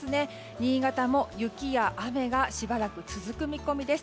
新潟も雪や雨がしばらく続く見込みです。